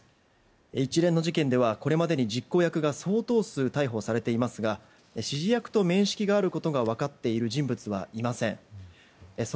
一連の事件ではこれまでに実行役が相当数逮捕されていますが指示役と面識があることが分かっている人物はいません。